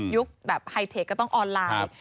แบบไฮเทคก็ต้องออนไลน์